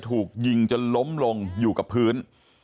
ถูกยิงจนล้มลงอยู่กับพื้น